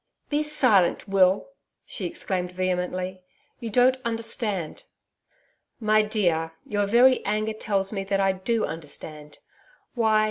'Be silent, Will,' she exclaimed vehemently. 'You don't understand.' 'My dear, your very anger tells me that I do understand. Why!